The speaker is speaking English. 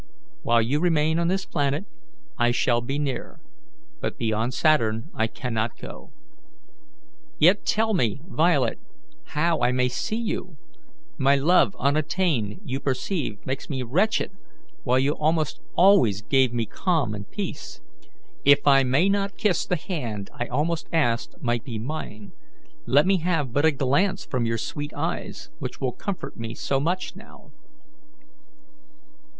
"While you remain on this planet, I shall be near; but beyond Saturn I cannot go." "Yet tell me, Violet, how I may see you? My love unattained, you perceive, makes me wretched, while you always gave me calm and peace. If I may not kiss the hand I almost asked might be mine, let me have but a glance from your sweet eyes, which will comfort me so much now."